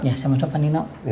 ya sama sama pak nino